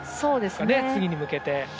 次に向けては。